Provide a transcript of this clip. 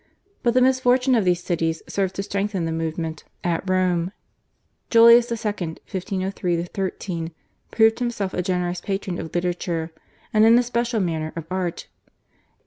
But the misfortunes of those cities served to strengthen the movement at Rome. Julius II. (1503 13) proved himself a generous patron of literature and in a special manner of art.